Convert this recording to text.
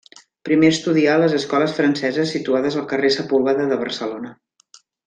Primer estudià a les Escoles Franceses situades al carrer Sepúlveda de Barcelona.